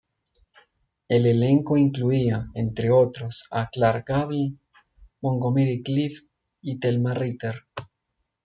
El elenco incluía, entre otros, a Clark Gable, Montgomery Clift y Thelma Ritter.